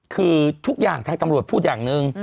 คือทุกอย่างทางตำรวจพูดอย่างหนึ่ง